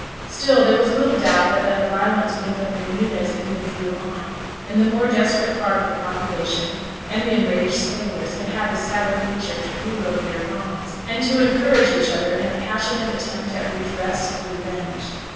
Still there was little doubt but that the violence would have been renewed as evening drew on, and the more desperate part of the population and the enraged sailors had had the Sabbath leisure to brood over their wrongs, and to encourage each other in a passionate attempt at redress, or revenge.